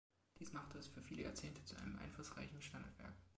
Dies machte es für viele Jahrzehnte zu einem einflussreichen Standardwerk.